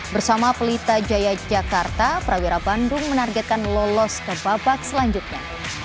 bersama pelita jaya jakarta prawira bandung menargetkan lolos ke babak selanjutnya